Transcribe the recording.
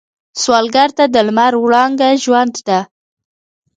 سوالګر ته د لمر وړانګه ژوند ده